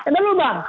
eh belum bang